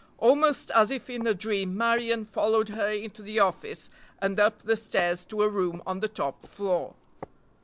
Almost as if in a dream Marion followed her into the office and up the stairs to a room on the top floor.